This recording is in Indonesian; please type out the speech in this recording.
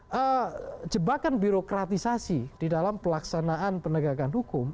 karena jebakan birokratisasi di dalam pelaksanaan penegakan hukum